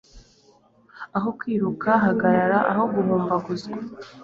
Aho kwiruka, hagarara; aho guhumbaguzwa,